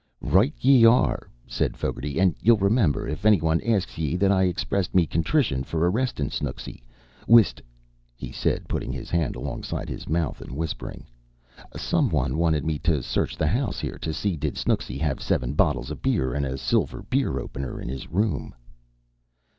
"Right ye ar re!" said Fogarty. "An' ye'll remimber, if anny wan asks ye, that I ixprissed me contrition for arristin' Snooksy. Whist!" he said, putting his hand alongside his mouth and whispering: "Some wan wanted me t' search th' house here t' see did Snooksy have sivin bottles iv beer an' a silver beer opener in his room."